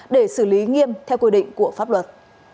để xử lý nghiêm theo quy định của pháp luật